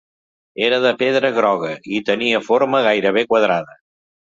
Era de pedra groga i tenia forma gairebé quadrada.